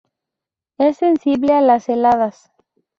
Es sensible a las heladas.